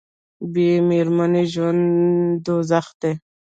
بې میرمنې ژوند دوزخ دی